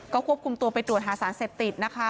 ก็ควบคุมตัวไปตรวจหาสารเสพติดนะคะ